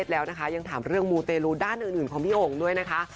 แล้วนะคะยังถามเรื่องมูเตลูด้านอื่นของพี่โอ่งด้วยนะคะ